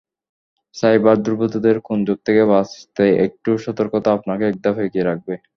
Cyber দুর্বৃত্তদের কুনজর থেকে বাঁচতে একটু সতর্কতা আপনাকে একধাপ এগিয়ে রাখবে।